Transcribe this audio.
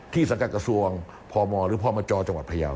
สังกัดกระทรวงพมหรือพมจจังหวัดพยาว